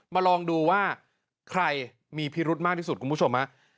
ลองดูว่าใครมีพิรุธมากที่สุดคุณผู้ชมฮะ